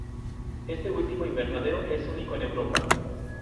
Este último invernadero es único en Europa.